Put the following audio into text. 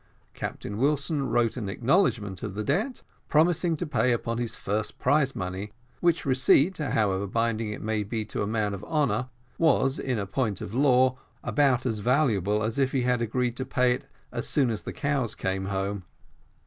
Captain Wilson wrote an acknowledgment of the debt, promising to pay upon his first prize money, which receipt, however binding it may be to a man of honour, was, in point of law, about as valuable as if he had agreed to pay as soon "as the cows came home."